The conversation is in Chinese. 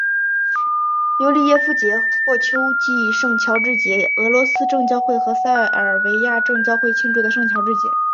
尤里耶夫节或秋季圣乔治节俄罗斯正教会和塞尔维亚正教会庆祝的圣乔治节。